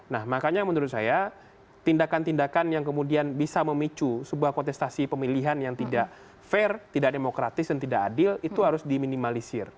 nah makanya menurut saya tindakan tindakan yang kemudian bisa memicu sebuah kontestasi pemilihan yang tidak fair tidak demokratis dan tidak adil itu harus diminimalisir